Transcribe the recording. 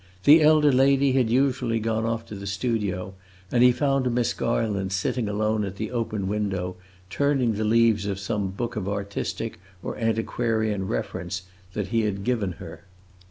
The elder lady had usually gone off to the studio, and he found Miss Garland sitting alone at the open window, turning the leaves of some book of artistic or antiquarian reference that he had given her.